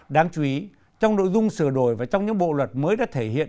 đáng chú ý trong nội dung sửa đổi và trong những bộ luật mới đã thể hiện